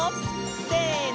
せの！